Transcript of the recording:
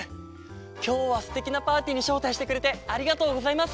きょうはすてきなパーティーにしょうたいしてくれてありがとうございます！